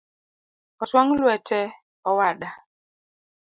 Otwang’ lwete owada